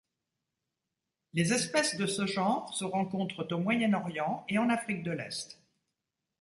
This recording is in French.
Les espèces de ce genre se rencontrent au Moyen-Orient et en Afrique de l'Est.